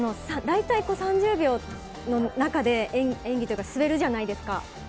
大体、３０秒の中で、演技というか滑るじゃないですか。